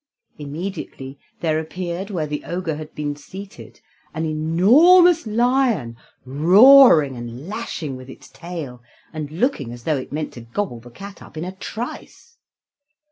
Immediately there appeared where the Ogre had been seated, an enormous lion, roaring, and lashing with its tail, and looking as though it meant to gobble the cat up in a trice.